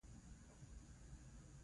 د هېواد د مینې فلسفه